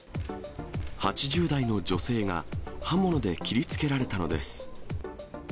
８０代の女性が刃物で切りつけられたのです。